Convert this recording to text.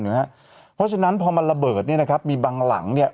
เพราะฉะนั้นพอมันระเบิดเนี่ยนะครับมีบางหลังเนี่ย